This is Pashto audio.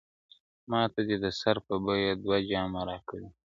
ماته دي د سر په بيه دوه جامه راکړي دي.